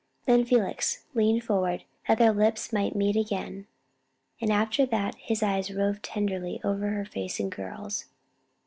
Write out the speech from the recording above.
Then Felix leaned forward, that their lips might meet again, and after that his eyes roved tenderly over her face and curls.